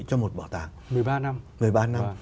cho một bảo tàng một mươi ba năm